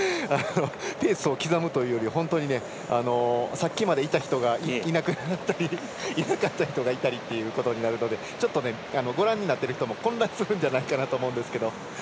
ペースを刻むというより、本当にさっきまでいた人がいなくなったりいなかった人がいたりっていうことになるのでちょっとご覧になってる人も混乱するんじゃないかと思うんですけども。